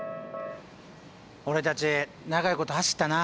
俺たち長いこと走ったな。